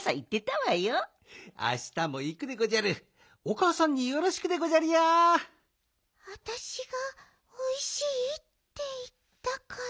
わたしが「おいしい」っていったから。